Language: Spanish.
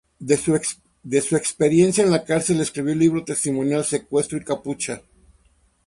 De su experiencia en la cárcel, escribió el libro testimonial "Secuestro y capucha".